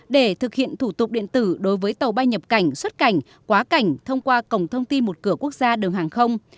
để thực hiện thủ tục điện tử đối với tàu bay nhập cảnh xuất cảnh quá cảnh thông qua cổng thông tin một cửa quốc gia đường hàng không